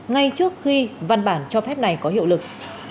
ngay trước khi văn bản cho phép này có hiệu lực